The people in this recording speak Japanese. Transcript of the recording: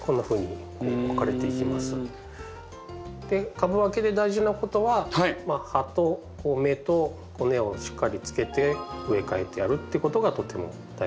株分けで大事なことは葉と芽と根をしっかりつけて植え替えてやるってことがとても大事になります。